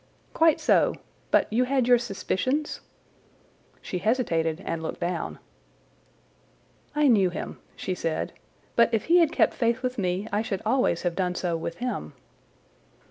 "Quite so. But you had your suspicions?" She hesitated and looked down. "I knew him," she said. "But if he had kept faith with me I should always have done so with him."